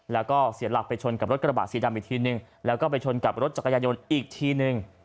แล้วก็เสียหลักไปชนกับรถกระบะสีดำอีกทีนึงแล้วก็ไปชนกับรถจักรยายนต์อีกทีนึง